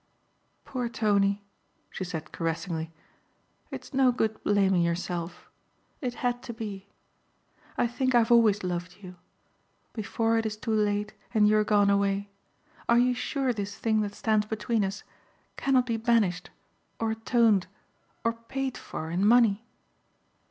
"Poor Tony," she said caressingly, "it's no good blaming yourself. It had to be. I think I've always loved you. Before it is too late and you are gone away, are you sure this thing that stands between us cannot be banished or atoned or paid for in money?